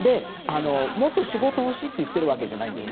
もっと仕事が欲しいと言っているわけじゃないんです。